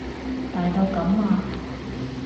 大到噉啊？